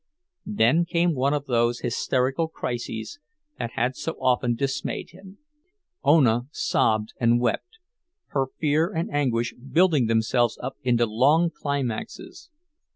There came one of those hysterical crises that had so often dismayed him. Ona sobbed and wept, her fear and anguish building themselves up into long climaxes.